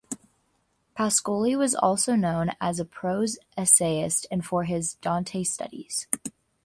Pascoli was also known as a prose essayist and for his Dante studies.